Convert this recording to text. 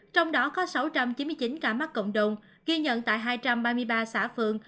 trong đó có sáu trăm chín mươi chín ca mắc cộng đồng ghi nhận tại hai trăm ba mươi ba xã phường